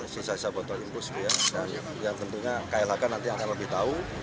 sisa sisa botol impus ya tentunya klhk nanti akan lebih tahu